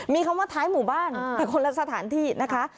มีคำว่าท้ายหมู่บ้านแต่คนละสถานที่นะคะ